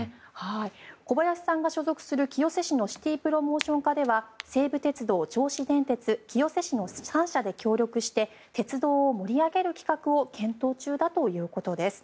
古林さんが所属する、清瀬市のシティプロモーション課では西武鉄道、銚子電鉄、清瀬市の３者で協力して鉄道を盛り上げる企画を検討中だということです。